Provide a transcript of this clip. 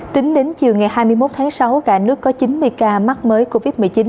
tính đến chiều ngày hai mươi một tháng sáu cả nước có chín mươi ca mắc mới covid một mươi chín